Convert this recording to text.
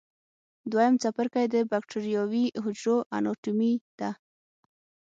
دویم څپرکی د بکټریاوي حجرو اناټومي ده.